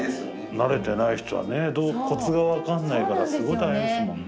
慣れてない人はねコツが分かんないからすごい大変ですもんね。